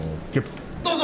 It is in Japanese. ・どうぞ！